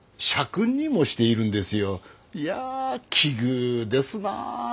いやあ奇遇ですなあ。